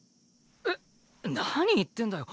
えっ何言ってんだよ。